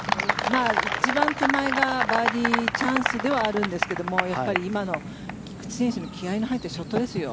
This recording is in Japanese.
一番手前がバーディーチャンスではあるんですがやっぱり今の菊地選手の気合の入ったショットですよ。